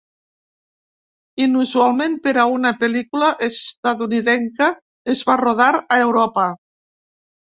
Inusualment per a una pel·lícula estatunidenca, es va rodar a Europa.